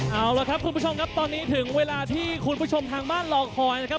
เอาละครับคุณผู้ชมครับตอนนี้ถึงเวลาที่คุณผู้ชมทางบ้านรอคอยนะครับ